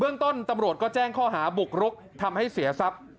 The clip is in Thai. ต้นตำรวจก็แจ้งข้อหาบุกรุกทำให้เสียทรัพย์